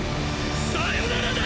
さよならだ！